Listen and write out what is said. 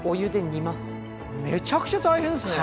めちゃくちゃ大変ですね。